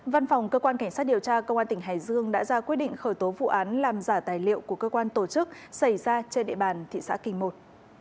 văn phòng cơ quan cảnh sát điều tra công an tỉnh hải dương đã ra quyết định khởi tố vụ án làm giả tài liệu của cơ quan tổ chức xảy ra trên địa bàn thị xã kỳ một